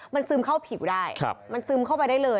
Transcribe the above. มันซึมเข้าผิวได้มันซึมเข้าไปได้เลย